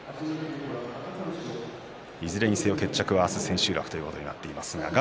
いずれにせよ決着はその千秋楽ということになっています。